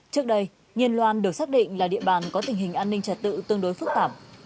trước đây nhiên loan được xác định là địa bàn có tình hình an ninh trật tự tương đối phức tạp